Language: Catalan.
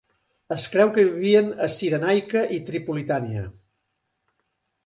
Es creu que vivien a Cirenaica i Tripolitània.